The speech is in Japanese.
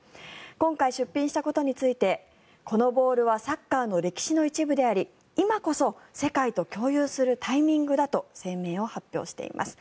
今回、出品したことについてこのボールはサッカーの歴史の一部であり今こそ世界と共有するタイミングだと声明を発表しています。